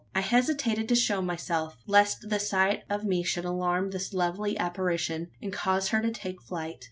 I hesitated to show myself lest the sight of me should alarm this lovely apparition, and cause her to take flight.